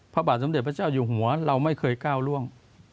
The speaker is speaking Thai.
พระบาทสมเด็จพระเจ้าอยู่หัวเราไม่เคยก้าวร่วง